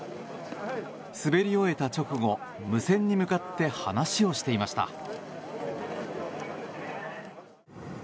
滑り終えた直後、無線に向かって話をしていました。